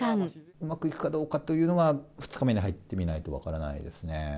うまくいくかどうかというのは、２日目に入ってみないと分からないですね。